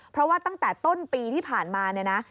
เพราะว่าตั้งแต่ต้นปีที่ผ่านมาเนี่ยนะ